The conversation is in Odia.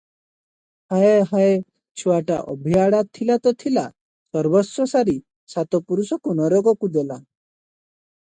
ହାୟ! ହାୟ! ଛୁଆଟା ଅଭିଆଡ଼ା ଥିଲା ତ ଥିଲା, ସର୍ବସ୍ୱ ସାରି ସାତ ପୁରୁଷକୁ ନରକକୁ ଦେଲା ।